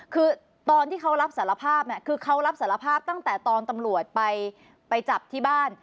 คือตอนที่เขารับสารภาพเนี่ยคือเขารับสารภาพตั้งแต่ตอนตำรวจไปจับที่บ้าน